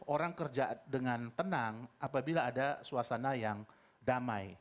orang kerja dengan tenang apabila ada suasana yang damai